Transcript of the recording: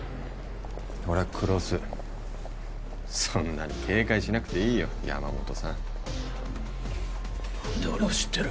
俺は黒須そんなに警戒しなくていいよ山本さん何で俺を知ってる？